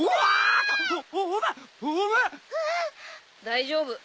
大丈夫。